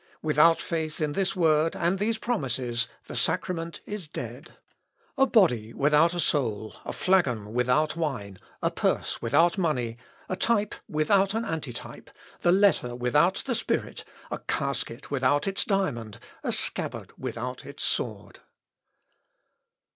Without faith in this word, and these promises, the sacrament is dead; a body without a soul, a flagon without wine, a purse without money, a type without an antitype, the letter without the spirit, a casket without its diamond, a scabbard without its sword."